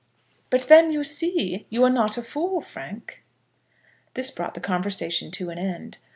"But then, you see, you are not a fool, Frank." This brought the conversation to an end.